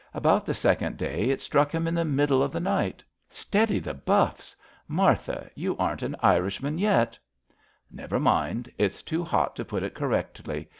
About the second day it struck him in the middle of the night." Steady the Buffs! Martha, you aren't an Irishman yet." Never mind. It^s too hot to put it correctly.